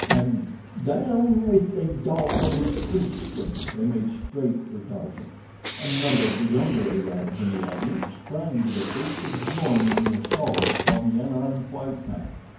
and "Down with the dog of a Christian!" they made straight for Tarzan. A number of the younger Arabs in the audience sprang to their feet to join in the assault upon the unarmed white man.